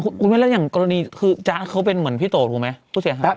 คุณแม่แล้วอย่างกรณีคือจ๊ะเขาเป็นเหมือนพี่โตถูกไหมผู้เสียหาย